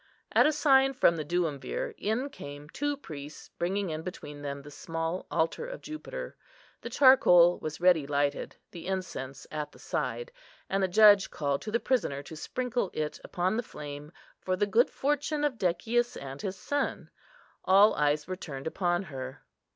At a sign from the Duumvir in came two priests, bringing in between them the small altar of Jupiter; the charcoal was ready lighted, the incense at the side, and the judge called to the prisoner to sprinkle it upon the flame for the good fortune of Decius and his son. All eyes were turned upon her.